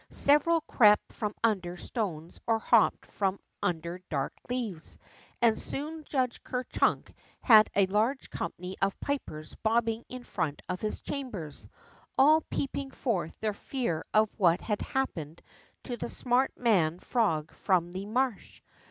Several crept from under stones or hopped from under dark leaves, and soon Judge Ker Chunk had a largo company of pipers bobbing in front of his chambers, all peeping forth their fear of what had happened to the smart man frog from the marsh.